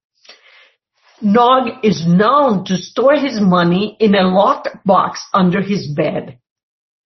Nog is known to store his money in a locked box under his bed.